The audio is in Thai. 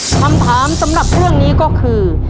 คำถามสำหรับเรื่องนี้ก็คือ